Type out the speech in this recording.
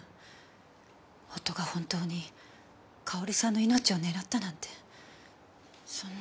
夫が本当に佳保里さんの命を狙ったなんてそんな。